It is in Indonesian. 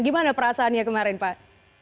gimana perasaannya kemarin pak